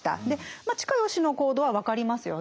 ま親吉の行動は分かりますよね。